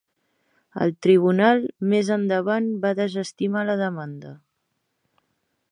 El tribunal més endavant va desestimar la demanda.